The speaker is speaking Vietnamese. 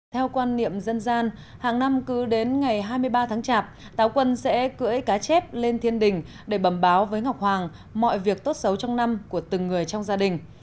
theo quan niệm dân gian hàng năm cứ đến ngày hai mươi ba tháng chạp táo quân sẽ cưỡi cá chép lên thiên đình để bẩm báo với ngọc hoàng mọi việc tốt xấu trong năm của từng người trong gia đình